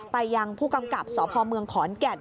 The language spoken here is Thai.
ไปยังผู้กำกับสพเมืองขอนแก่น